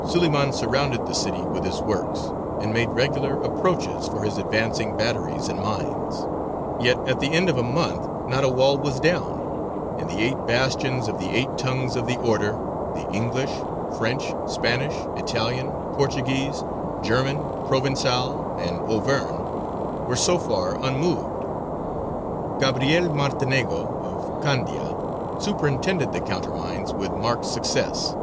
Suleymān surrounded the city with his works, and made regular approaches for his advancing batteries and mines; yet at the end of a month not a wall was down, and the eight bastions of the eight Tongues of the Order the English, French, Spanish, Italian, Portuguese, German, Provençal, and Auvergnat were so far unmoved. Gabriel Martinego of Candia superintended the countermines with marked success.